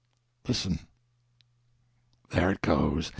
. listen. There it goes!